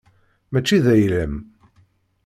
Mačči d ayla-m.